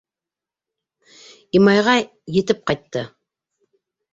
Имайға етеп ҡайтты.